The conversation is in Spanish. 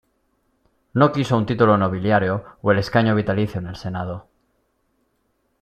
No quiso un título nobiliario o el escaño vitalicio en el Senado.